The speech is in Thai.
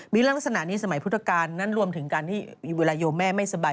มีลักษณะนี้สมัยพุทธกาลนั้นรวมถึงการที่เวลาโยมแม่ไม่สบาย